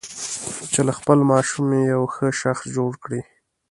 چې له خپل ماشوم یو ښه شخص جوړ کړي.